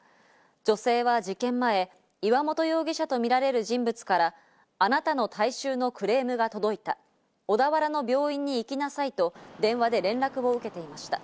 女性は事件前、岩本容疑者とみられる人物からあなたの体臭のクレームが届いた、小田原の病院に行きなさいと電話で連絡を受けていました。